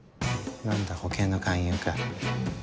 何だ保険の勧誘か。